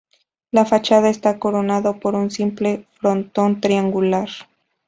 La fachada está coronada por un simple frontón triangular.